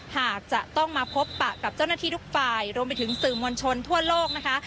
หากจะต้องมาพบปะกับเจ้าหน้าที่ทุกฝ่ายรวมไปถึงสื่อมวลชนทั่วโลกนะคะ